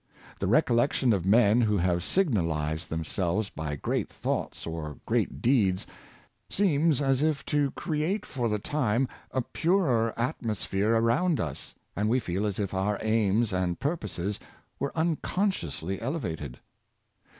The recollection of men who have signalized themselves by great thoughts or great deeds seems as if to create for the time a purer atmosphere around us, and we feel as if our aims and purposes were unconsciously elevated.